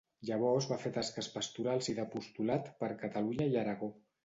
Llavors va fer tasques pastorals i d'apostolat per Catalunya i Aragó.